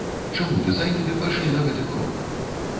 Чаму дызайнеры пайшлі на гэты крок?